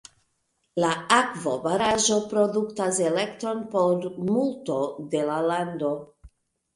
La akvobaraĵo produktas elektron por multo de la lando.